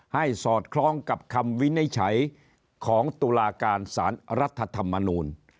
สอดคล้องกับคำวินิจฉัยของตุลาการสารรัฐธรรมนูล